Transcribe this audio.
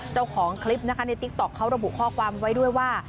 เจ้าของคลิปนะคะในติ๊กต๊อกเขาระบุข้อความไว้ด้วยว่า